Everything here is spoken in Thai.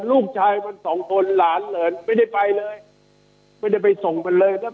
ลูกชายมันสองคนหลานเหลินไม่ได้ไปเลยไม่ได้ไปส่งมันเลย